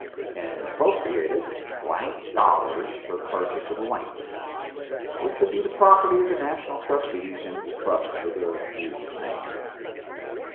And it appropriated [blank] dollars for the purchase of the Land, which should be the property of the national trustees in trust for the uses named.